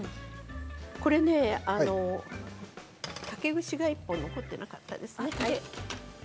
これね、竹串が１本残ってなかったですかね。